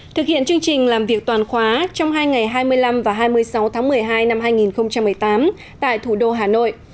thực hiện chương trình làm việc toàn khóa trong hai ngày hai mươi năm và hai mươi sáu tháng một mươi hai năm hai nghìn một mươi tám tại thủ đô hà nội